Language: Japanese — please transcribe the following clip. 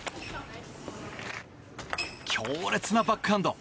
強烈なバックハンド！